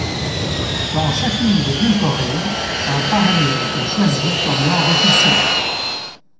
Dans chacune des deux Corées, un parler a été choisi comme langue officielle.